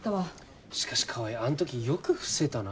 しかし川合あん時よく伏せたな。